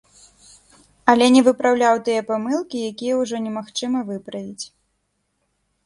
Але не выпраўляў тыя памылкі, які ўжо немагчыма выправіць.